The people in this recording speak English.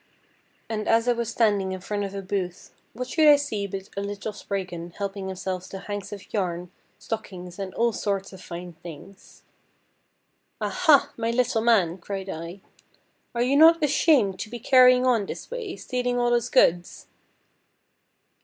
And as I was standing in front of a booth, what should I see but a little Spriggan helping himself to hanks of yarn, stockings, and all sorts of fine things. "Ah! Ha! my little man!" cried I. "Are you not ashamed to be carrying on this way, stealing all those goods?"